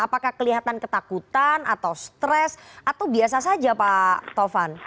apakah kelihatan ketakutan atau stres atau biasa saja pak tovan